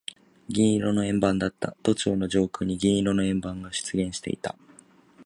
銀色の円盤だった。都庁の上空に銀色の円盤が出現していた。